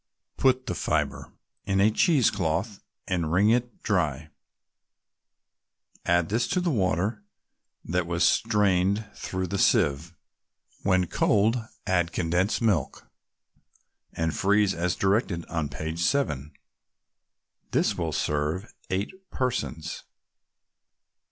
Put the fibre in a cheese cloth and wring it dry; add this to the water that was strained through the sieve. When cold, add condensed milk, and freeze as directed on page 7. This will serve eight persons.